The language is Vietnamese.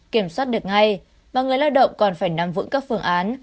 kiểm soát được ngay và người lao động còn phải nắm vững các phương án